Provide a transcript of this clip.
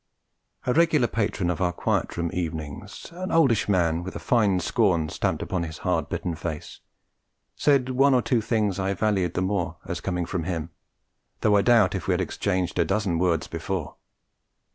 A regular patron of our Quiet Room Evenings, an oldish man with a fine scorn stamped upon his hard bitten face, said one or two things I valued the more as coming from him, though I doubt if we had exchanged a dozen words before.